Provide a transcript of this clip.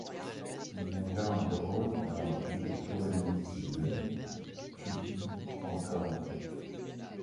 Il y incarne le rôle d'un mafieux d'origine sicilienne, Chucky Pancamo.